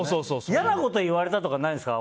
嫌なこと言われたとかないんですか？